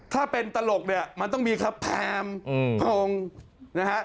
ถ้าเป็นตลกเนี่ยมันต้องมีครับแพมงนะฮะ